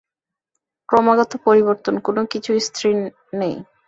ক্রমাগত পরিবর্তন! কোন কিছুই স্থির নয়।